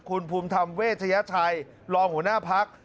คุณภูมิธรรมเวชยชัยรองหัวหน้าพัก